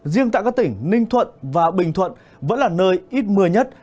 riêng tại các tỉnh ninh thuận và bình thuận vẫn là nơi ít mưa nhất